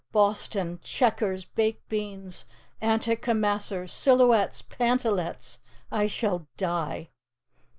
Boston! Checkers!! Baked Beans!!! Antimacassars!!!! Silhouettes!!!!! Pantalettes!!!!!!! I shall die!"